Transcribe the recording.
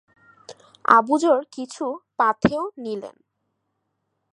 Abu Zar কিছু পাথেয় নিলেন।